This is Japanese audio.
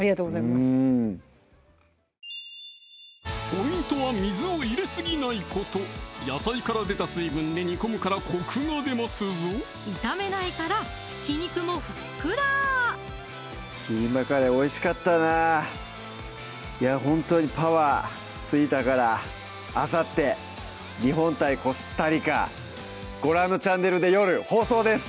ポイントは水を入れすぎないこと野菜から出た水分で煮込むからコクが出ますぞ炒めないからひき肉もふっくら「キーマカレー」おいしかったなほんとにパワーついたからあさって日本対コスタリカご覧のチャンネルで夜放送です